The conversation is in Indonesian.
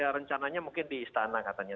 rencananya mungkin di istana katanya